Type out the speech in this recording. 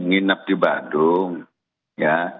nginep di badung ya